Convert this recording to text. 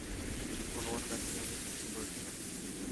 ভগবান কার্তিক আমাদের শাসন করছেন।